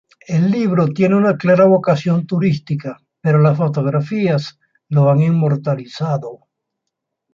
El libro tiene una clara vocación turística, pero las fotografías lo han inmortalizado.